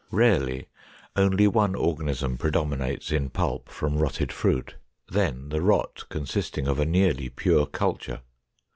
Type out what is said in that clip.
Rarely only one organism predominates in pulp from rotted fruit, then the rot consisting of a nearly pure culture.